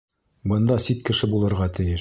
Бында сит кеше булырға тейеш.